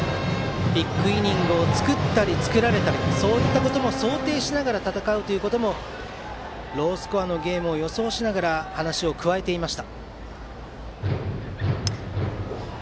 ビッグイニングを作ったり作られたりということも想定しながら戦うこともロースコアゲームを予想しながら話に加えていました。